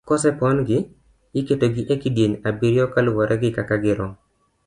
Kose pon gi, iketo gi e kidieny abiriyo kaluwore gi kaka girom.